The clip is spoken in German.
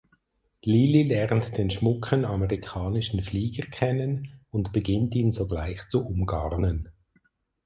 Lili lernt den schmucken amerikanischen Flieger kennen und beginnt ihn sogleich zu umgarnen.